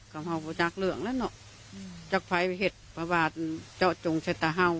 กำภาพก็จากเรื่องนั้นเนอะจากภายพิเศษประบาทเจาะจงเศรษฐะห้าว